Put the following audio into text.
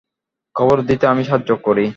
কবর দিতে আমি সাহায্য করি।